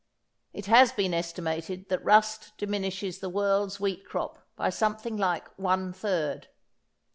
It has been estimated that rust diminishes the world's wheat crop by something like one third.